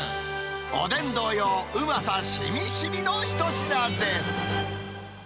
おでん同様、うまさしみしみの一品です。